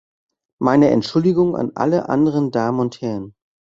Meine Entschuldigung an alle anderen Damen und Herren.